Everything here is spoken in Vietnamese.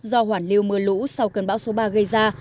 do hoàn lưu mưa lũ sau cơn bão số ba gây ra